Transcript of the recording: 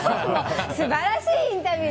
素晴らしいインタビュー。